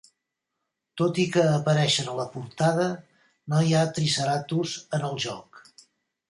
Tot i que apareixen a la portada, no hi ha Triceratos en el joc.